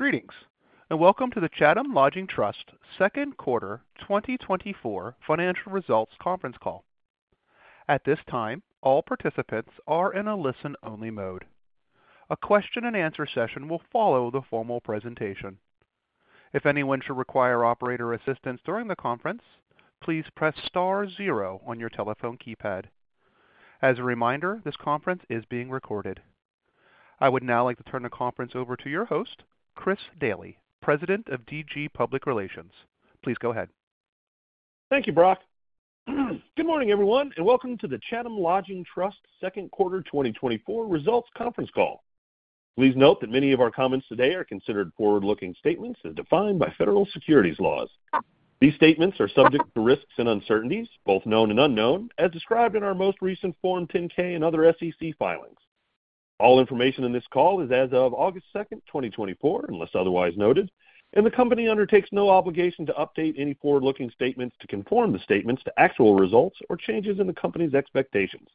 Greetings, and welcome to the Chatham Lodging Trust Second Quarter 2024 Financial Results Conference Call. At this time, all participants are in a listen-only mode. A question and answer session will follow the formal presentation. If anyone should require operator assistance during the conference, please press star zero on your telephone keypad. As a reminder, this conference is being recorded. I would now like to turn the conference over to your host, Chris Daly, President of DG Public Relations. Please go ahead. Thank you, Brock. Good morning, everyone, and welcome to the Chatham Lodging Trust Second Quarter 2024 Results Conference call. Please note that many of our comments today are considered forward-looking statements as defined by federal securities laws. These statements are subject to risks and uncertainties, both known and unknown, as described in our most recent Form 10-K and other SEC filings. All information in this call is as of August 2nd, 2024, unless otherwise noted, and the company undertakes no obligation to update any forward-looking statements to conform the statements to actual results or changes in the company's expectations.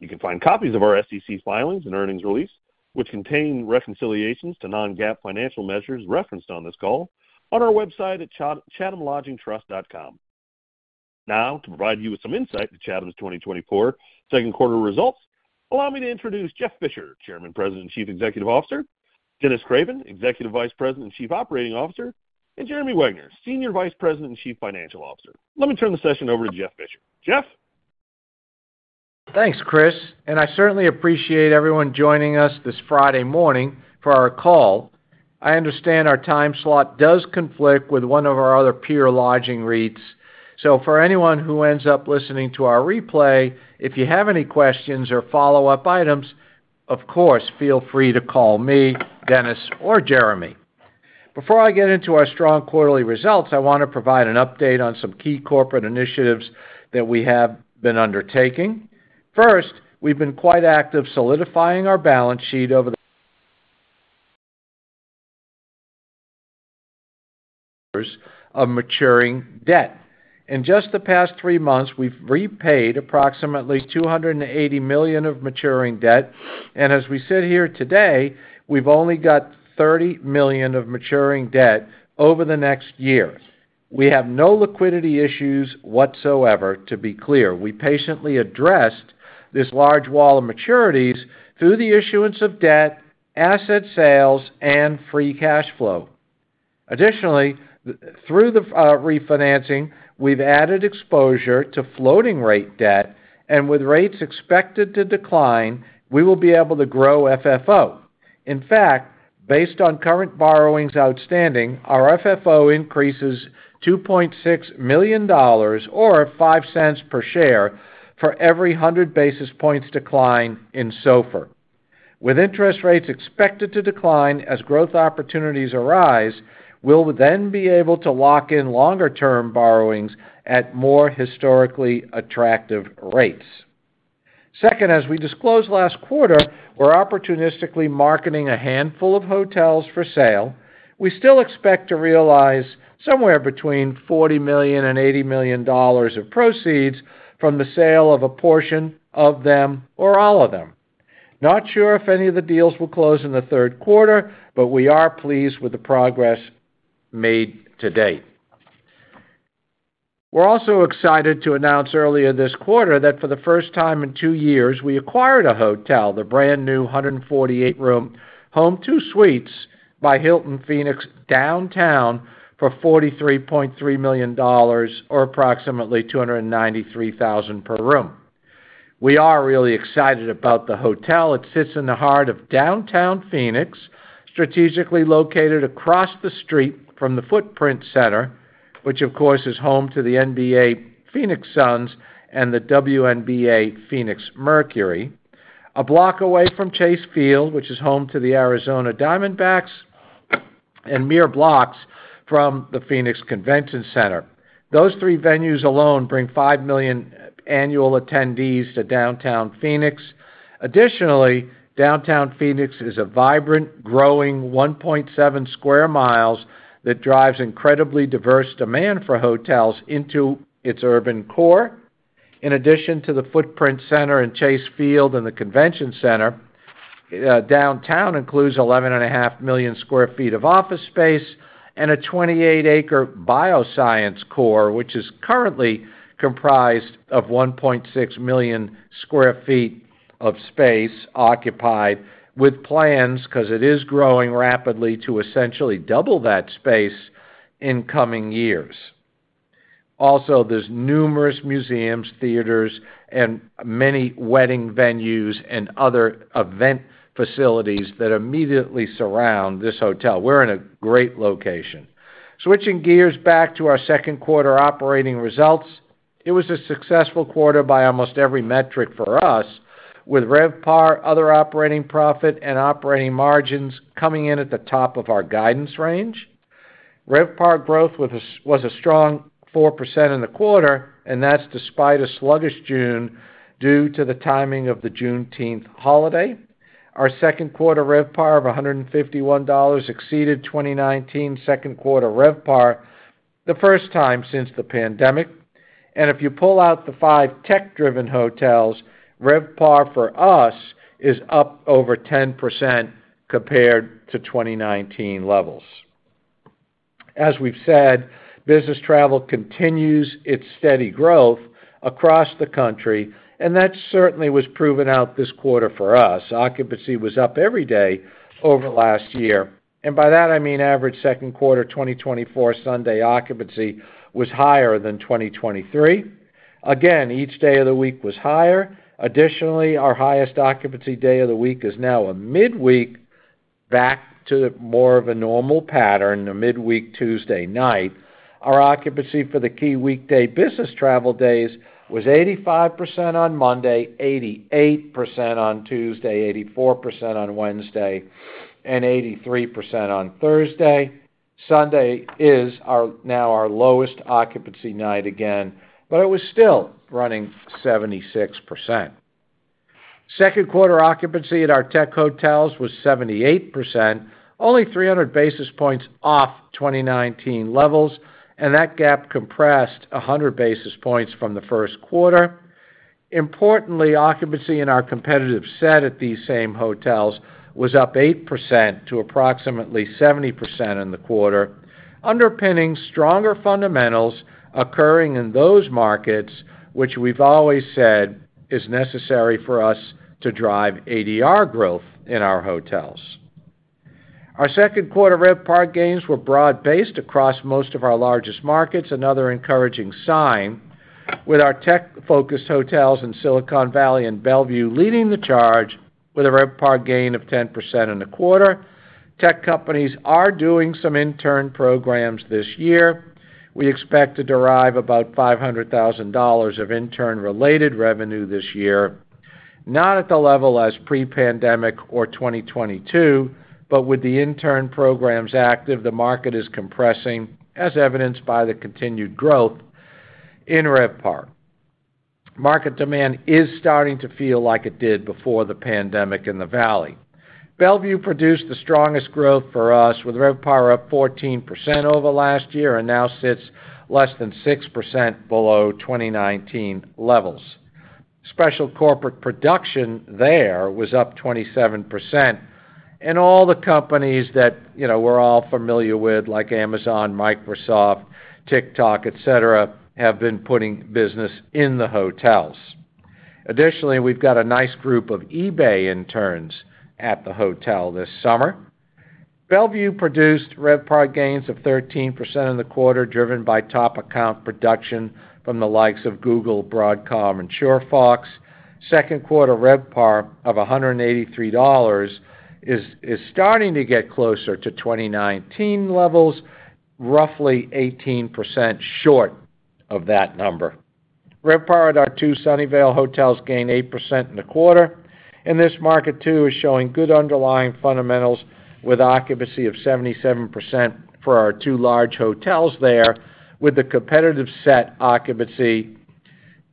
You can find copies of our SEC filings and earnings release, which contain reconciliations to non-GAAP financial measures referenced on this call, on our website at chathamlodgingtrust.com. Now, to provide you with some insight to Chatham's 2024 second quarter results, allow me to introduce Jeff Fisher, Chairman, President, and Chief Executive Officer, Dennis Craven, Executive Vice President and Chief Operating Officer, and Jeremy Wegner, Senior Vice President and Chief Financial Officer. Let me turn the session over to Jeff Fisher. Jeff? Thanks, Chris, and I certainly appreciate everyone joining us this Friday morning for our call. I understand our time slot does conflict with one of our other peer lodging REITs. So for anyone who ends up listening to our replay, if you have any questions or follow-up items, of course, feel free to call me, Dennis, or Jeremy. Before I get into our strong quarterly results, I want to provide an update on some key corporate initiatives that we have been undertaking. First, we've been quite active solidifying our balance sheet over the... of maturing debt. In just the past three months, we've repaid approximately $280 million of maturing debt, and as we sit here today, we've only got $30 million of maturing debt over the next year. We have no liquidity issues whatsoever, to be clear. We patiently addressed this large wall of maturities through the issuance of debt, asset sales, and free cash flow. Additionally, through the refinancing, we've added exposure to floating rate debt, and with rates expected to decline, we will be able to grow FFO. In fact, based on current borrowings outstanding, our FFO increases $2.6 million or $0.05 cents per share for every 100 basis points decline in SOFR. With interest rates expected to decline as growth opportunities arise, we'll then be able to lock in longer-term borrowings at more historically attractive rates. Second, as we disclosed last quarter, we're opportunistically marketing a handful of hotels for sale. We still expect to realize somewhere between $40 million and $80 million of proceeds from the sale of a portion of them or all of them. Not sure if any of the deals will close in the third quarter, but we are pleased with the progress made to date. We're also excited to announce earlier this quarter that for the first time in two years, we acquired a hotel, the brand-new 148-room Home2 Suites by Hilton Phoenix Downtown, for $43.3 million, or approximately $293,000 per room. We are really excited about the hotel. It sits in the heart of downtown Phoenix, strategically located across the street from the Footprint Center, which, of course, is home to the NBA Phoenix Suns and the WNBA Phoenix Mercury, a block away from Chase Field, which is home to the Arizona Diamondbacks, and mere blocks from the Phoenix Convention Center. Those three venues alone bring five million annual attendees to downtown Phoenix. Additionally, downtown Phoenix is a vibrant, growing 1.7 sq mi that drives incredibly diverse demand for hotels into its urban core. In addition to the Footprint Center and Chase Field and the Convention Center, downtown includes 11.5 million sq ft of office space and a 28-acre bioscience core, which is currently comprised of 1.6 million sq ft of space, occupied with plans, 'cause it is growing rapidly, to essentially double that space in coming years. Also, there's numerous museums, theaters, and many wedding venues and other event facilities that immediately surround this hotel. We're in a great location. Switching gears back to our second quarter operating results, it was a successful quarter by almost every metric for us, with RevPAR, other operating profit, and operating margins coming in at the top of our guidance range. RevPAR growth was a strong 4% in the quarter, and that's despite a sluggish June due to the timing of the Juneteenth holiday. Our second quarter RevPAR of $151 exceeded 2019 second quarter RevPAR by the first time since the pandemic. If you pull out the five tech-driven hotels, RevPAR for us is up over 10% compared to 2019 levels. As we've said, business travel continues its steady growth across the country, and that certainly was proven out this quarter for us. Occupancy was up every day over last year, and by that I mean, average second quarter 2024 Sunday occupancy was higher than 2023. Again, each day of the week was higher. Additionally, our highest occupancy day of the week is now a midweek, back to more of a normal pattern, a midweek Tuesday night. Our occupancy for the key weekday business travel days was 85% on Monday, 88% on Tuesday, 84% on Wednesday, and 83% on Thursday. Sunday is now our lowest occupancy night again, but it was still running 76%. Second quarter occupancy at our tech hotels was 78%, only 300 basis points off 2019 levels, and that gap compressed 100 basis points from the first quarter. Importantly, occupancy in our competitive set at these same hotels was up 8% to approximately 70% in the quarter, underpinning stronger fundamentals occurring in those markets, which we've always said is necessary for us to drive ADR growth in our hotels. Our second quarter RevPAR gains were broad-based across most of our largest markets, another encouraging sign, with our tech-focused hotels in Silicon Valley and Bellevue leading the charge with a RevPAR gain of 10% in the quarter. Tech companies are doing some intern programs this year. We expect to derive about $500,000 of intern-related revenue this year, not at the level as pre-pandemic or 2022, but with the intern programs active, the market is compressing, as evidenced by the continued growth in RevPAR. Market demand is starting to feel like it did before the pandemic in the valley. Bellevue produced the strongest growth for us, with RevPAR up 14% over last year and now sits less than 6% below 2019 levels. Special corporate production there was up 27%, and all the companies that, you know, we're all familiar with, like Amazon, Microsoft, TikTok, et cetera, have been putting business in the hotels. Additionally, we've got a nice group of eBay interns at the hotel this summer. Bellevue produced RevPAR gains of 13% in the quarter, driven by top account production from the likes of Google, Broadcom, and SureFox. Second quarter RevPAR of $183 is, is starting to get closer to 2019 levels, roughly 18% short of that number. RevPAR at our two Sunnyvale hotels gained 8% in the quarter, and this market, too, is showing good underlying fundamentals with occupancy of 77% for our two large hotels there, with the competitive set occupancy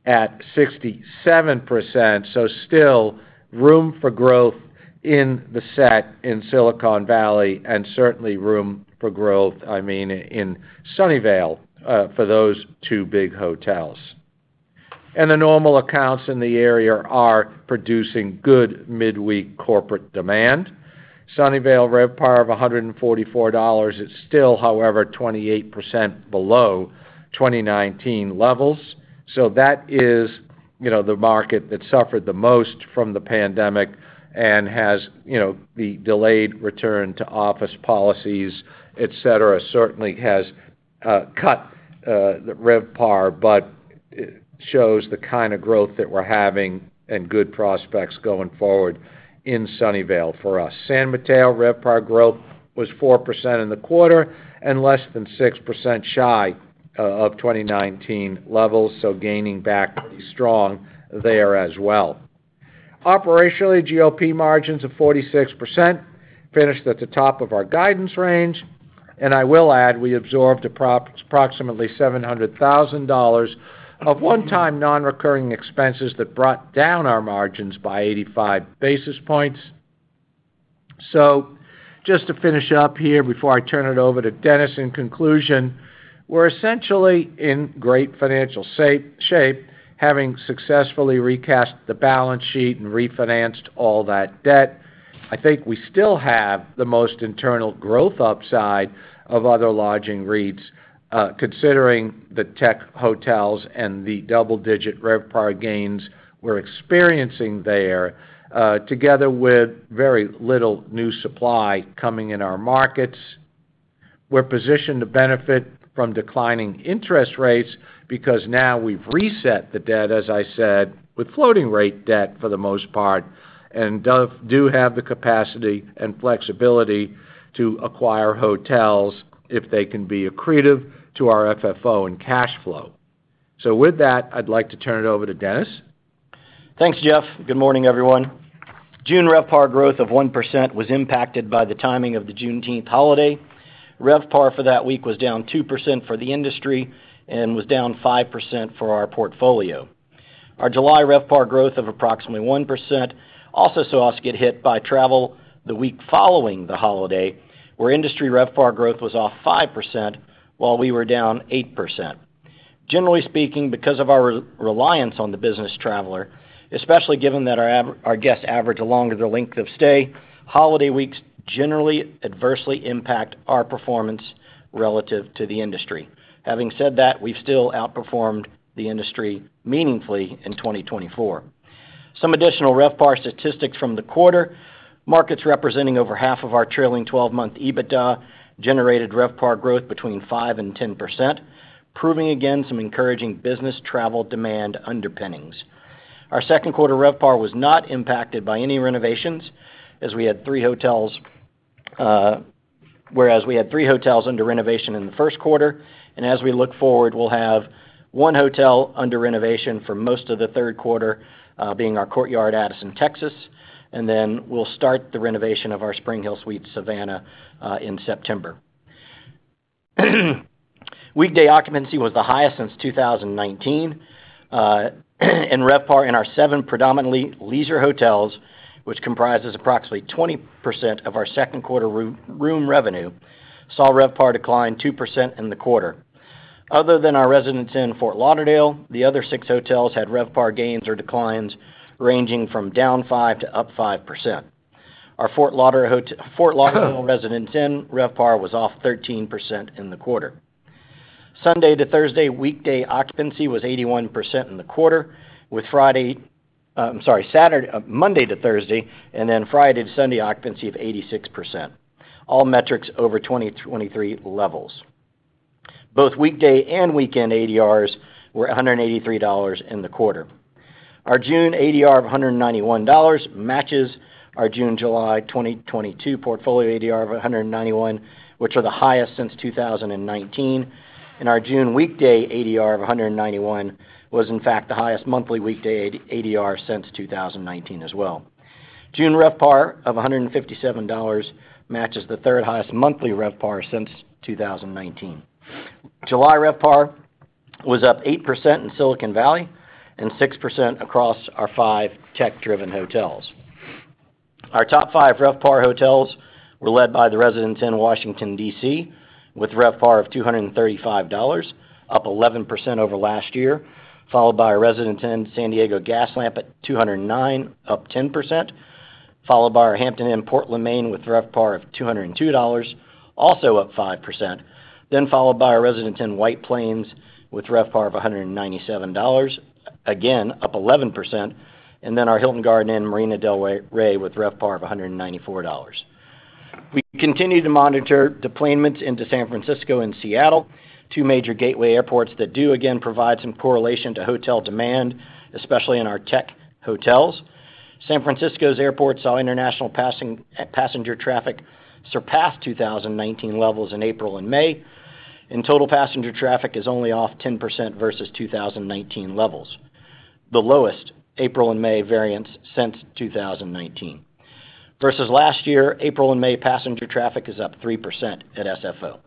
at 67%. So still, room for growth in the set in Silicon Valley, and certainly room for growth, I mean, in Sunnyvale, for those two big hotels. And the normal accounts in the area are producing good midweek corporate demand. Sunnyvale RevPAR of $144 is still, however, 28% below 2019 levels. So that is, you know, the market that suffered the most from the pandemic and has, you know, the delayed return to office policies, et cetera, certainly has cut the RevPAR, but it shows the kind of growth that we're having and good prospects going forward in Sunnyvale for us. San Mateo, RevPAR growth was 4% in the quarter and less than 6% shy of 2019 levels, so gaining back pretty strong there as well. Operationally, GOP margins of 46% finished at the top of our guidance range, and I will add, we absorbed approximately $700,000 of one-time, non-recurring expenses that brought down our margins by 85 basis points. So just to finish up here before I turn it over to Dennis, in conclusion, we're essentially in great financial shape, having successfully recast the balance sheet and refinanced all that debt. I think we still have the most internal growth upside of other lodging REITs, considering the tech hotels and the double-digit RevPAR gains we're experiencing there, together with very little new supply coming in our markets. We're positioned to benefit from declining interest rates because now we've reset the debt, as I said, with floating rate debt for the most part, and we do have the capacity and flexibility to acquire hotels if they can be accretive to our FFO and cash flow. So with that, I'd like to turn it over to Dennis. Thanks, Jeff. Good morning, everyone. June RevPAR growth of 1% was impacted by the timing of the Juneteenth holiday. RevPAR for that week was down 2% for the industry and was down 5% for our portfolio. Our July RevPAR growth of approximately 1% also saw us get hit by travel the week following the holiday, where industry RevPAR growth was off 5%, while we were down 8%.... Generally speaking, because of our reliance on the business traveler, especially given that our guests average a longer length of stay, holiday weeks generally adversely impact our performance relative to the industry. Having said that, we've still outperformed the industry meaningfully in 2024. Some additional RevPAR statistics from the quarter. Markets representing over half of our trailing 12-month EBITDA generated RevPAR growth between 5% and 10%, proving again some encouraging business travel demand underpinnings. Our second quarter RevPAR was not impacted by any renovations, as we had three hotels, whereas we had three hotels under renovation in the first quarter. As we look forward, we'll have one hotel under renovation for most of the third quarter, being our Courtyard Addison, Texas, and then we'll start the renovation of our SpringHill Suites Savannah in September. Weekday occupancy was the highest since 2019, and RevPAR in our seven predominantly leisure hotels, which comprises approximately 20% of our second quarter room revenue, saw RevPAR decline 2% in the quarter. Other than our Residence Inn, Fort Lauderdale, the other six hotels had RevPAR gains or declines ranging from down 5% to up 5%. Our Fort Lauderdale hotel—Fort Lauderdale Residence Inn, RevPAR was off 13% in the quarter. Sunday to Thursday, weekday occupancy was 81% in the quarter, with Friday, Saturday—Monday to Thursday, and then Friday to Sunday, occupancy of 86%. All metrics over 2023 levels. Both weekday and weekend ADRs were $183 in the quarter. Our June ADR of $191 matches our June and July 2022 portfolio ADR of $191, which are the highest since 2019, and our June weekday ADR of $191 was, in fact, the highest monthly weekday ADR since 2019 as well. June RevPAR of $157 matches the third highest monthly RevPAR since 2019. July RevPAR was up 8% in Silicon Valley and 6% across our five tech-driven hotels. Our top five RevPAR hotels were led by the Residence Inn Washington, DC, with RevPAR of $235, up 11% over last year, followed by a Residence Inn San Diego Gaslamp, at $209, up 10%, followed by our Hampton Inn Portland, Maine, with RevPAR of $202, also up 5%, then followed by our Residence Inn White Plains, with RevPAR of $197, again, up 11%, and then our Hilton Garden Inn Marina del Rey, with RevPAR of $194. We continue to monitor deplanements into San Francisco and Seattle, two major gateway airports that do, again, provide some correlation to hotel demand, especially in our tech hotels. San Francisco's airport saw international passenger traffic surpass 2019 levels in April and May, and total passenger traffic is only off 10% versus 2019 levels, the lowest April and May variance since 2019. Versus last year, April and May passenger traffic is up 3% at SFO.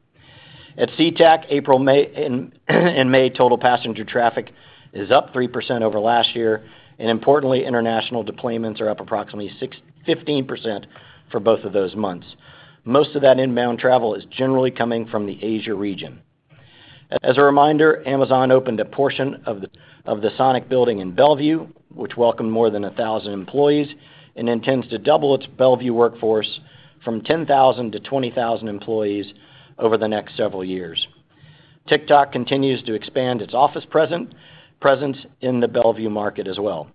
At SeaTac, April and May total passenger traffic is up 3% over last year, and importantly, international deplanements are up approximately 15% for both of those months. Most of that inbound travel is generally coming from the Asia region. As a reminder, Amazon opened a portion of the, of the Sonic building in Bellevue, which welcomed more than 1,000 employees and intends to double its Bellevue workforce from 10,000-20,000 employees over the next several years. TikTok continues to expand its office presence in the Bellevue market as well.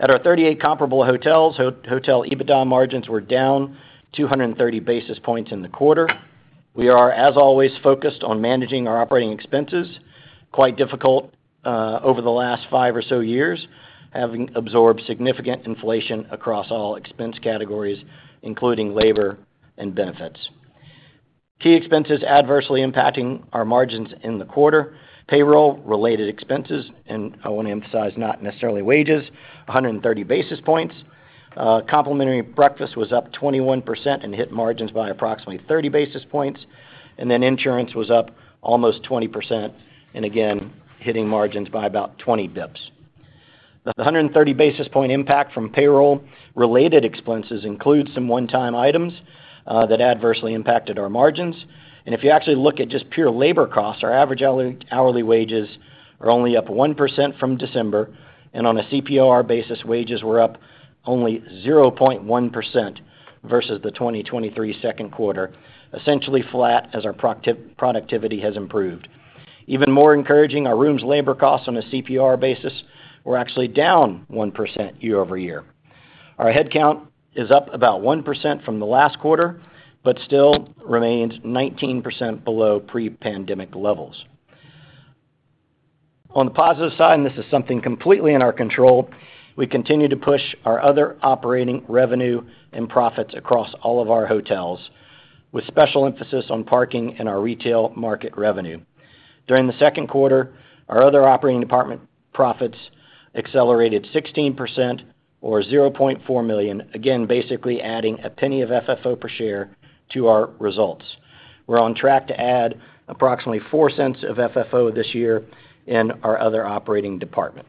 At our 38 comparable hotels, hotel EBITDA margins were down 230 basis points in the quarter. We are, as always, focused on managing our operating expenses, quite difficult, over the last five or so years, having absorbed significant inflation across all expense categories, including labor and benefits. Key expenses adversely impacting our margins in the quarter, payroll-related expenses, and I want to emphasize not necessarily wages, 130 basis points. Complimentary breakfast was up 21% and hit margins by approximately 30 basis points, and then insurance was up almost 20%, and again, hitting margins by about 20 basis points. The 130 basis point impact from payroll-related expenses includes some one-time items that adversely impacted our margins. If you actually look at just pure labor costs, our average hourly wages are only up 1% from December, and on a CPOR basis, wages were up only 0.1% versus the 2023 second quarter, essentially flat as our productivity has improved. Even more encouraging, our rooms labor costs on a CPOR basis were actually down 1% year-over-year. Our headcount is up about 1% from the last quarter, but still remains 19% below pre-pandemic levels. On the positive side, and this is something completely in our control, we continue to push our other operating revenue and profits across all of our hotels, with special emphasis on parking and our retail market revenue. During the second quarter, our other operating department profits accelerated 16% or $0.4 million, again, basically adding $0.01 of FFO per share to our results. We're on track to add approximately $0.04 of FFO this year in our other operating department.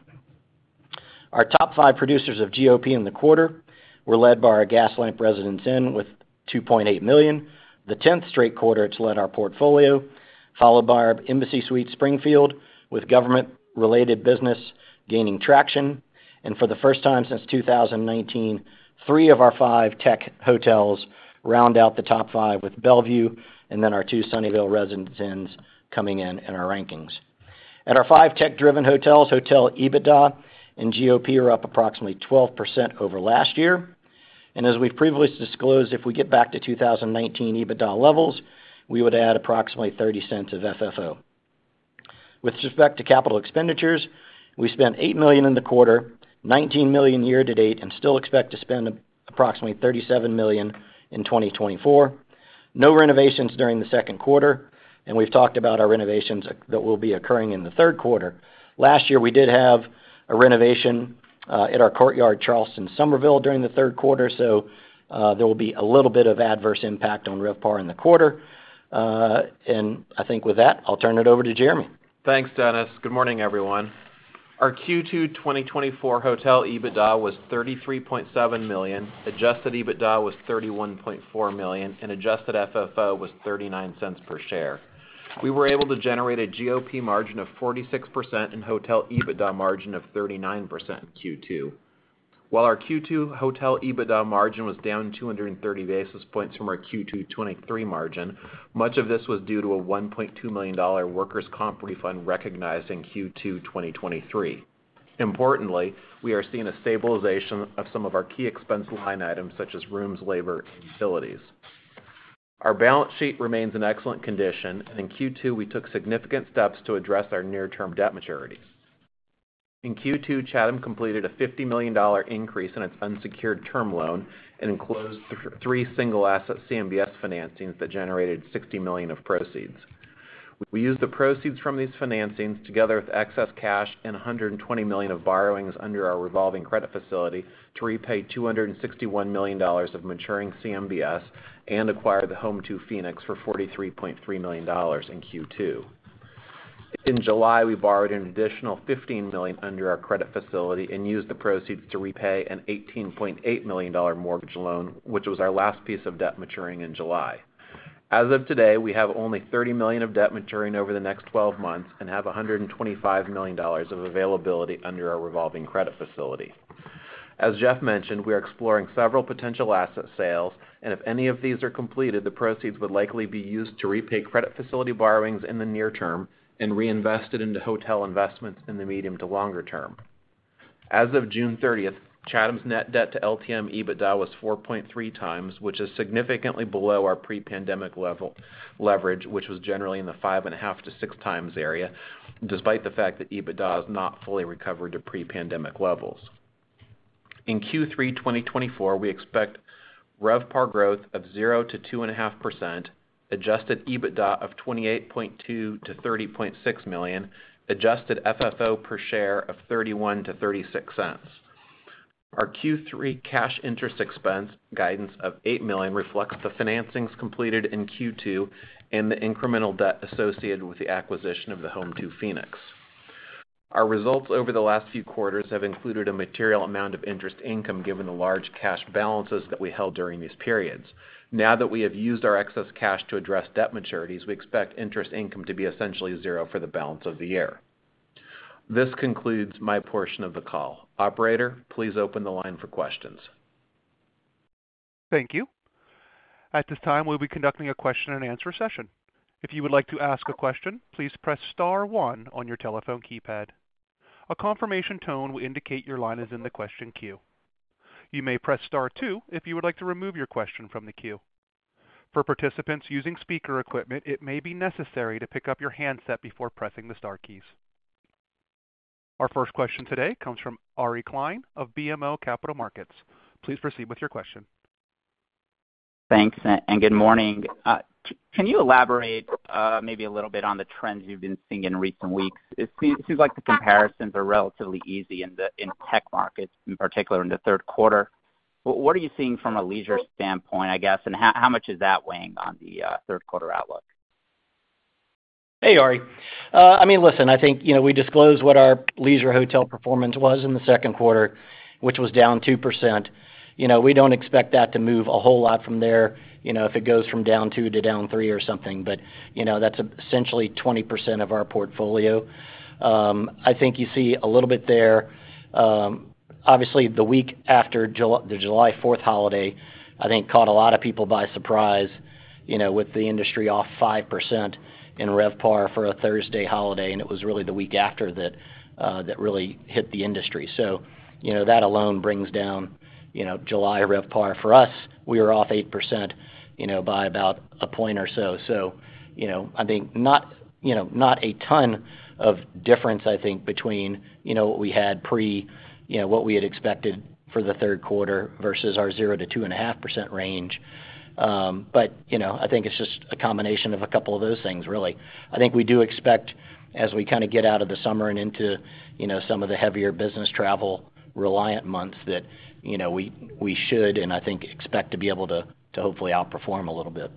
Our top five producers of GOP in the quarter were led by our Gaslamp Residence Inn, with $2.8 million, the 10th straight quarter it's led our portfolio, followed by our Embassy Suites Springfield, with government-related business gaining traction. For the first time since 2019, three of our five tech hotels round out the top five, with Bellevue, and then our two Sunnyvale Residence Inns coming in, in our rankings. At our five tech-driven hotels, hotel EBITDA and GOP are up approximately 12% over last year. As we've previously disclosed, if we get back to 2019 EBITDA levels, we would add approximately $0.30 of FFO. With respect to capital expenditures, we spent $8 million in the quarter, $19 million year-to-date, and still expect to spend approximately $37 million in 2024. No renovations during the second quarter, and we've talked about our renovations that will be occurring in the third quarter. Last year, we did have a renovation, at our Courtyard Charleston Summerville during the third quarter, so, there will be a little bit of adverse impact on RevPAR in the quarter. And I think with that, I'll turn it over to Jeremy. Thanks, Dennis. Good morning, everyone. Our Q2 2024 hotel EBITDA was $33.7 million, adjusted EBITDA was $31.4 million, and adjusted FFO was $0.39 per share. We were able to generate a GOP margin of 46% in hotel EBITDA margin of 39% in Q2. While our Q2 hotel EBITDA margin was down 230 basis points from our Q2 2023 margin, much of this was due to a $1.2 million workers' comp refund recognized in Q2 2023. Importantly, we are seeing a stabilization of some of our key expense line items, such as rooms, labor, and utilities. Our balance sheet remains in excellent condition, and in Q2, we took significant steps to address our near-term debt maturities. In Q2, Chatham completed a $50 million increase in its unsecured term loan and closed three single-asset CMBS financings that generated $60 million of proceeds. We used the proceeds from these financings, together with excess cash and $120 million of borrowings under our revolving credit facility, to repay $261 million of maturing CMBS and acquire the Home2 Phoenix for $43.3 million in Q2. In July, we borrowed an additional $15 million under our credit facility and used the proceeds to repay an $18.8 million mortgage loan, which was our last piece of debt maturing in July. As of today, we have only $30 million of debt maturing over the next 12 months and have $125 million of availability under our revolving credit facility. As Jeff mentioned, we are exploring several potential asset sales, and if any of these are completed, the proceeds would likely be used to repay credit facility borrowings in the near term and reinvested into hotel investments in the medium to longer term. As of June 30th, Chatham's net debt to LTM EBITDA was 4.3x, which is significantly below our pre-pandemic level leverage, which was generally in the 5.5x-6x area, despite the fact that EBITDA has not fully recovered to pre-pandemic levels. In Q3 2024, we expect RevPAR growth of 0%-2.5%, adjusted EBITDA of $28.2 million-$30.6 million, adjusted FFO per share of $0.31-$0.36. Our Q3 cash interest expense guidance of $8 million reflects the financings completed in Q2 and the incremental debt associated with the acquisition of the Home2 Phoenix. Our results over the last few quarters have included a material amount of interest income, given the large cash balances that we held during these periods. Now that we have used our excess cash to address debt maturities, we expect interest income to be essentially zero for the balance of the year. This concludes my portion of the call. Operator, please open the line for questions. Thank you. At this time, we'll be conducting a question-and-answer session. If you would like to ask a question, please press star one on your telephone keypad. A confirmation tone will indicate your line is in the question queue. You may press star two if you would like to remove your question from the queue. For participants using speaker equipment, it may be necessary to pick up your handset before pressing the star keys. Our first question today comes from Ari Klein of BMO Capital Markets. Please proceed with your question. Thanks, and good morning. Can you elaborate, maybe a little bit on the trends you've been seeing in recent weeks? It seems like the comparisons are relatively easy in the tech markets, in particular in the third quarter. What are you seeing from a leisure standpoint, I guess, and how much is that weighing on the third quarter outlook? Hey, Ari. I mean, listen, I think, you know, we disclosed what our leisure hotel performance was in the second quarter, which was down 2%. You know, we don't expect that to move a whole lot from there, you know, if it goes from down 2% to down 3% or something. But, you know, that's essentially 20% of our portfolio. I think you see a little bit there. Obviously, the week after the July Fourth holiday, I think, caught a lot of people by surprise, you know, with the industry off 5% in RevPAR for a Thursday holiday, and it was really the week after that, that really hit the industry. So, you know, that alone brings down, you know, July RevPAR. For us, we were off 8%, you know, by about a point or so. So, you know, I think not, you know, not a ton of difference, I think, between, you know, what we had expected for the third quarter versus our 0%-2.5% range. But, you know, I think it's just a combination of a couple of those things, really. I think we do expect, as we kind of get out of the summer and into, you know, some of the heavier business travel reliant months, that, you know, we, we should, and I think expect to be able to, to hopefully outperform a little bit....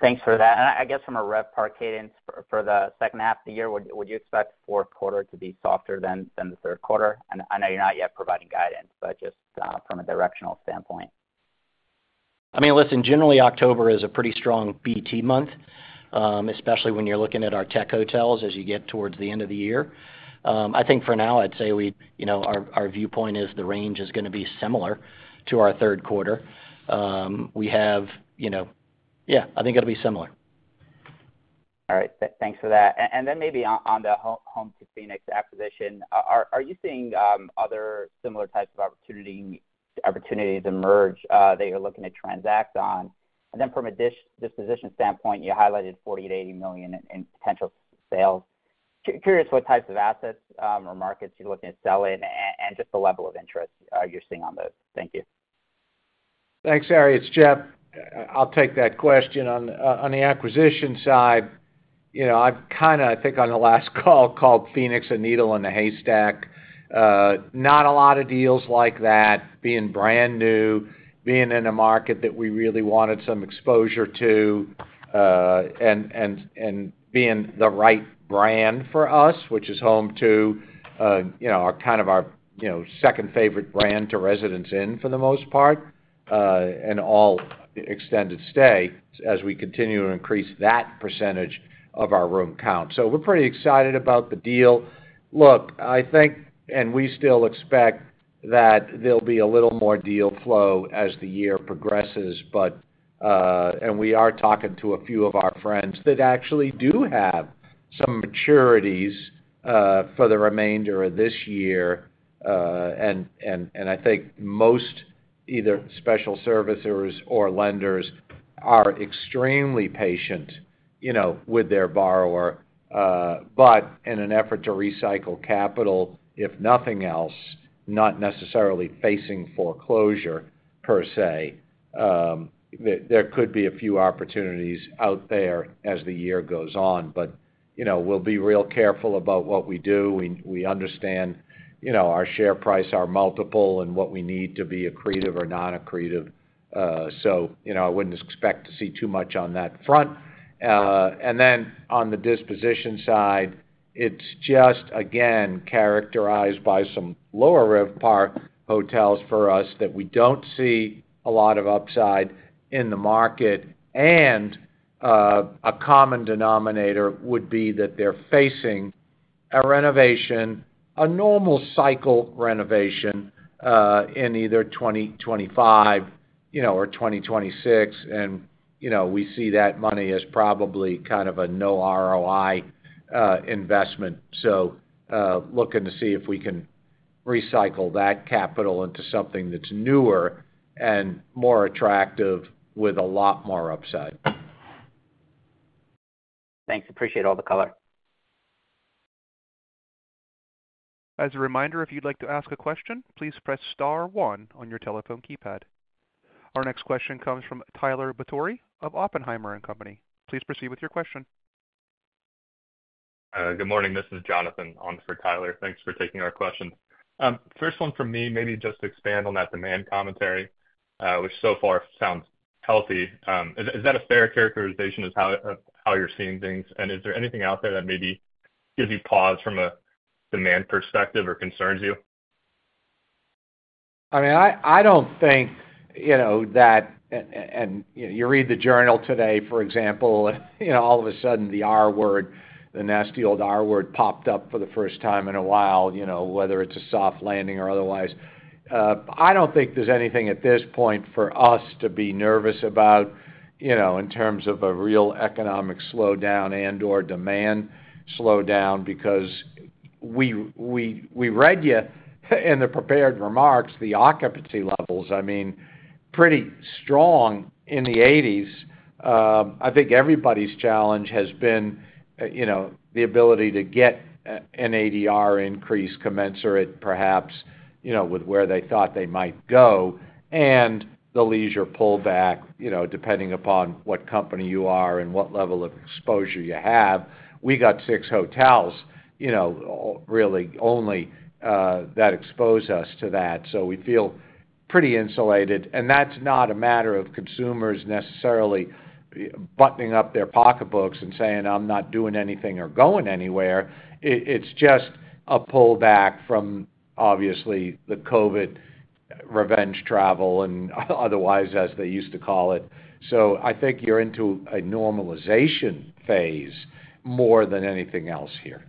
Thanks for that. And I guess from a RevPAR cadence for the second half of the year, would you expect fourth quarter to be softer than the third quarter? And I know you're not yet providing guidance, but just from a directional standpoint. I mean, listen, generally, October is a pretty strong BEP month, especially when you're looking at our tech hotels as you get towards the end of the year. I think for now, I'd say we, you know, our, our viewpoint is the range is gonna be similar to our third quarter. We have, you know... Yeah, I think it'll be similar. All right. Thanks for that. And then maybe on the Home2 Phoenix acquisition, are you seeing other similar types of opportunity, opportunities emerge that you're looking to transact on? And then from a disposition standpoint, you highlighted $40 million-$80 million in potential sales. Curious what types of assets or markets you're looking at selling, and just the level of interest you're seeing on those. Thank you. Thanks, Ari. It's Jeff. I'll take that question. On the acquisition side, you know, I've kind of, I think, on the last call, called Phoenix a needle in a haystack. Not a lot of deals like that, being brand new, being in a market that we really wanted some exposure to, and being the right brand for us, which is Home2, you know, our second favorite brand to Residence Inn, for the most part, and all extended stay, as we continue to increase that percentage of our room count. So we're pretty excited about the deal. Look, I think, and we still expect that there'll be a little more deal flow as the year progresses, but... We are talking to a few of our friends that actually do have some maturities for the remainder of this year. I think most, either special servicers or lenders, are extremely patient, you know, with their borrower. But in an effort to recycle capital, if nothing else, not necessarily facing foreclosure per se, there could be a few opportunities out there as the year goes on. But, you know, we'll be real careful about what we do. We understand, you know, our share price, our multiple, and what we need to be accretive or non-accretive. So, you know, I wouldn't expect to see too much on that front. And then on the disposition side, it's just, again, characterized by some lower RevPAR hotels for us that we don't see a lot of upside in the market, and, a common denominator would be that they're facing a renovation, a normal cycle renovation, in either 2025, you know, or 2026. And, you know, we see that money as probably kind of a no ROI investment. So, looking to see if we can recycle that capital into something that's newer and more attractive, with a lot more upside. Thanks. Appreciate all the color. As a reminder, if you'd like to ask a question, please press star one on your telephone keypad. Our next question comes from Tyler Batory of Oppenheimer & Co. Please proceed with your question. Good morning, this is Jonathan on for Tyler. Thanks for taking our question. First one from me, maybe just expand on that demand commentary, which so far sounds healthy. Is that a fair characterization of how you're seeing things? And is there anything out there that maybe gives you pause from a demand perspective or concerns you? I mean, I don't think, you know, that and, you know, you read the journal today, for example, you know, all of a sudden, the R word, the nasty old R word, popped up for the first time in a while, you know, whether it's a soft landing or otherwise. I don't think there's anything at this point for us to be nervous about, you know, in terms of a real economic slowdown and/or demand slowdown, because we read you in the prepared remarks, the occupancy levels, I mean, pretty strong in the 80s. I think everybody's challenge has been, you know, the ability to get an ADR increase commensurate, perhaps, you know, with where they thought they might go, and the leisure pullback, you know, depending upon what company you are and what level of exposure you have. We got six hotels, you know, all really only that expose us to that, so we feel pretty insulated. And that's not a matter of consumers necessarily buttoning up their pocketbooks and saying, "I'm not doing anything or going anywhere." It, it's just a pullback from, obviously, the COVID revenge travel and otherwise, as they used to call it. So I think you're into a normalization phase more than anything else here.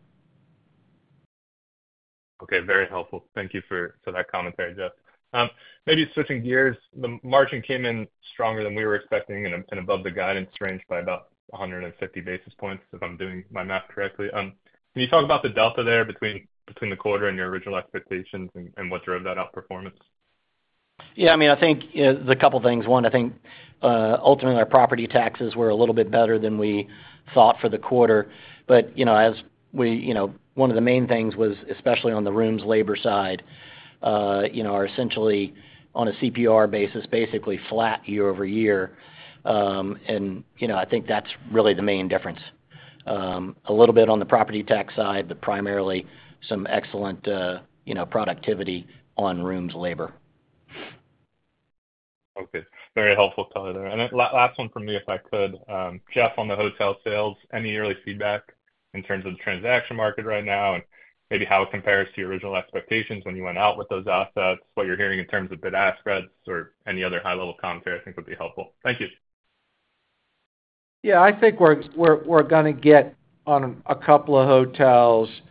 Okay, very helpful. Thank you for, for that commentary, Jeff. Maybe switching gears, the margin came in stronger than we were expecting and, and above the guidance range by about 150 basis points, if I'm doing my math correctly. Can you talk about the delta there between, between the quarter and your original expectations and, and what drove that outperformance? Yeah, I mean, I think there's a couple things. One, I think ultimately our property taxes were a little bit better than we thought for the quarter. But, you know, as we, you know, one of the main things was, especially on the rooms' labor side, you know, are essentially on a CPOR basis, basically flat year-over-year. And, you know, I think that's really the main difference. A little bit on the property tax side, but primarily some excellent, you know, productivity on rooms' labor.... Okay, very helpful color there. And then last one from me, if I could. Jeff, on the hotel sales, any early feedback in terms of the transaction market right now, and maybe how it compares to your original expectations when you went out with those assets? What you're hearing in terms of bid-ask spreads or any other high-level commentary, I think, would be helpful. Thank you. Yeah, I think we're gonna get on a couple of hotels pretty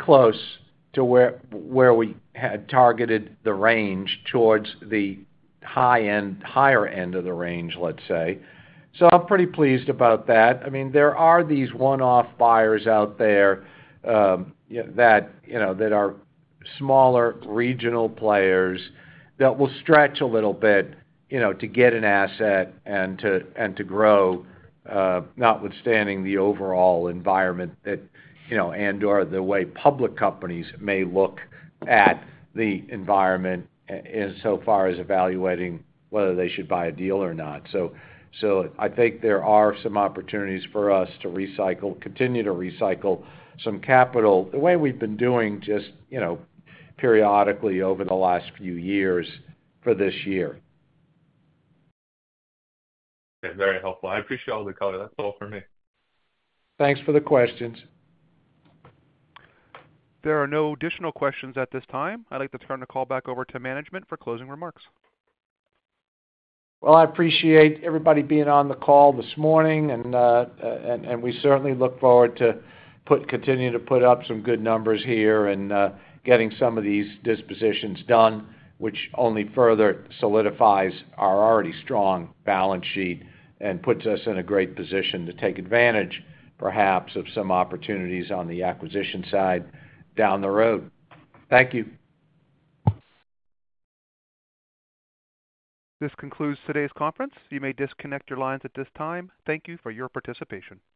close to where we had targeted the range towards the high end, higher end of the range, let's say. So I'm pretty pleased about that. I mean, there are these one-off buyers out there, you know, that are smaller regional players that will stretch a little bit, you know, to get an asset and to grow, notwithstanding the overall environment that, you know, and or the way public companies may look at the environment insofar as evaluating whether they should buy a deal or not. So I think there are some opportunities for us to recycle, continue to recycle some capital, the way we've been doing just, you know, periodically over the last few years, for this year. Okay, very helpful. I appreciate all the color. That's all for me. Thanks for the questions. There are no additional questions at this time. I'd like to turn the call back over to management for closing remarks. Well, I appreciate everybody being on the call this morning, and we certainly look forward to continuing to put up some good numbers here and getting some of these dispositions done, which only further solidifies our already strong balance sheet and puts us in a great position to take advantage, perhaps, of some opportunities on the acquisition side down the road. Thank you. This concludes today's conference. You may disconnect your lines at this time. Thank you for your participation.